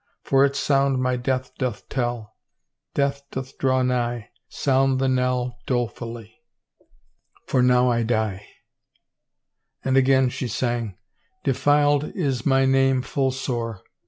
For its sound my death doth tell; Death doth draw nigh, Sound the knell dolefully. For now I die! 374 THE NUMBERED HOURS And again, she sang. Defiled is my name full sore.